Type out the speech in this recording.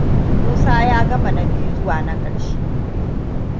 Musa ya gama na biyu zuwa na ƙarshe.